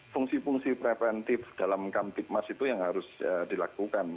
fungsi fungsi preventif dalam kamtipmas itu yang harus dilakukan